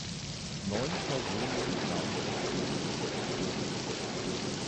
Neun Personen kamen uns Leben.